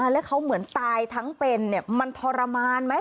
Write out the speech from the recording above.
แล้วเขาเหมือนตายทั้งเป็นมันทรมานไหม